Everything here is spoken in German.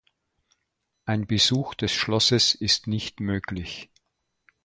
Ein Besuch des Schlosses ist nicht möglich.